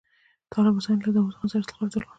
طالب حسین له داوود خان سره اختلاف درلود.